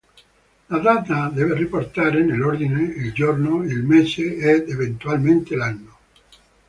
La data deve riportare, nell'ordine, il giorno, il mese ed eventualmente l'anno.